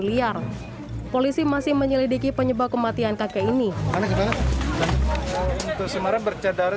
liar polisi masih menyelidiki penyebab kematian kakek ini bisa semangat untuk semangat bercadar